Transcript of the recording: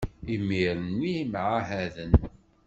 imir-nni mɛahaden.